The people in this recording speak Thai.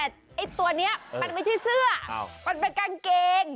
แต่ตัวนี้มันไม่ใช่เสื้อมันเป็นกางเกง